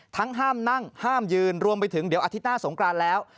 ห้ามนั่งห้ามยืนรวมไปถึงเดี๋ยวอาทิตย์หน้าสงกรานแล้ว